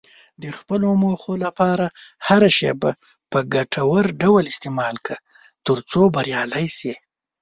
د خپلو موخو لپاره هره شېبه په ګټور ډول استعمال کړه، ترڅو بریالی شې.